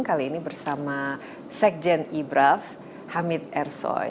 kali ini bersama sekjen ibraf hamid ersoy